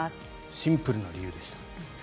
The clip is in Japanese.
シンプルな理由でした。